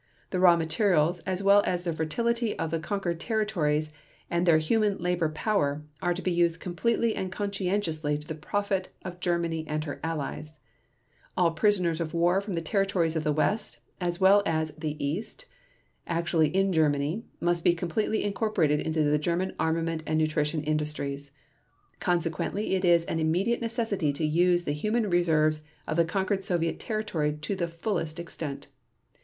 The raw materials, as well as the fertility of the conquered territories and their human labor power, are to be used completely and conscientiously to the profit of Germany and her allies .... All prisoners of war from the territories of the West, as well as the East, actually in Germany, must be completely incorporated into the German armament and nutrition industries .... Consequently it is an immediate necessity to use the human reserves of the conquered Soviet territory to the fullest extent.